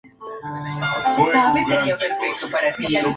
Plinio el Viejo elogia las armas fabricadas aquí.